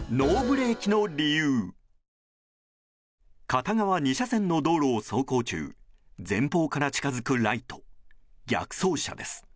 片側２車線の道路を走行中前方から近づくライト逆走車です。